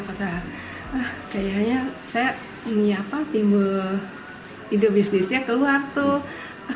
kayaknya saya ini apa timbul hidup bisnisnya keluar tuh